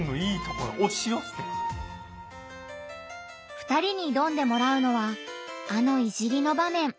２人に挑んでもらうのはあの「いじり」の場面。